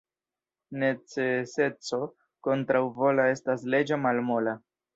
Neceseco kontraŭvola estas leĝo malmola.